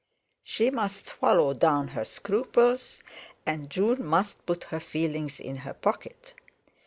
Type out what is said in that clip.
She must swallow down her scruples, and June must put her feelings in her pocket.